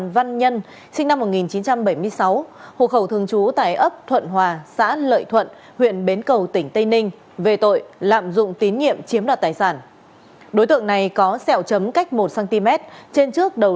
về tội lạm dụng tín nhiệm chiếm đoạt tài sản đối tượng này có xẹo chấm cách một cm trên trước đầu